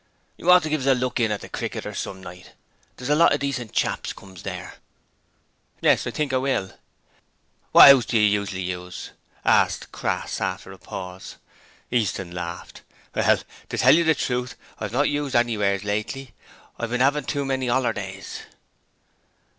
'You ought to give us a look in at the "Cricketers" some night. There's a lot of decent chaps comes there.' 'Yes, I think I will.' 'What 'ouse do you usually use?' asked Crass after a pause. Easton laughed. 'Well, to tell you the truth I've not used anywhere's lately. Been 'avin too many 'ollerdays.'